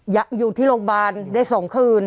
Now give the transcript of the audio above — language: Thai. อยู่ที่โรงพยาบาลได้๒คืน